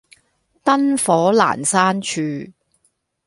燈火闌珊處